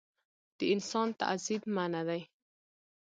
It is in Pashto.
د انسان تعذیب منعه دی.